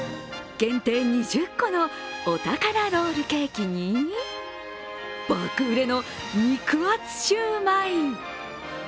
限定２０個のお宝ロールケーキに爆売れの肉厚シューマイ。